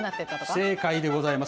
正解でございます。